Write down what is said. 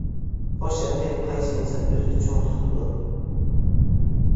خوش ئەمدى قايسى ئىنسان ئۆزىنى چوڭ تۇتىدۇ.